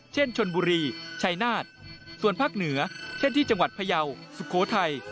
เช่นชนบุรีชายนาฏส่วนภาคเหนือเช่นที่จังหวัดพยาวสุโขทัย